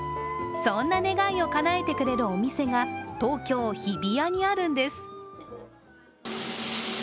そんな願いをかなえてくれるお店が東京・日比谷にあるんです。